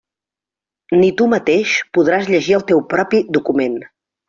Ni tu mateix podràs llegir el teu propi document.